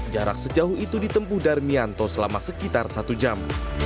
jarak sejauh itu ditempuh darmianto selama sekitar satu jam